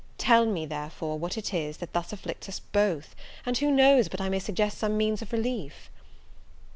Tell me, therefore, what it is that thus afflicts us both; and who knows but I may suggest some means of relief?"